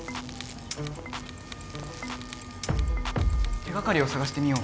手がかりをさがしてみよう。